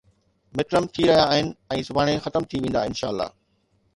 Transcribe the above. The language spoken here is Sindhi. مڊٽرم ٿي رهيا آهن ۽ سڀاڻي ختم ٿي ويندا، انشاء الله